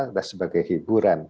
sudah sebagai hiburan